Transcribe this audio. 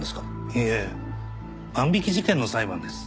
いいえ万引き事件の裁判です。